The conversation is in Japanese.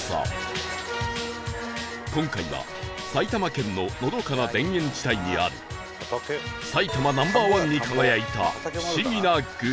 今回は埼玉県ののどかな田園地帯にある埼玉 Ｎｏ．１ に輝いた不思議なグルメ